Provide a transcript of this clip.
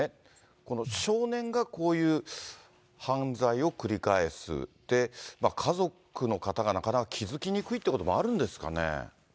この少年がこういう犯罪を繰り返す、家族の方がなかなか気付きにくいということもあるんですかね。